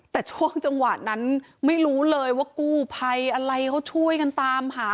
แต่ช่วงจังหวะนั้นไม่รู้เลยว่ากู้ภัยอะไรเขาช่วยกันตามหา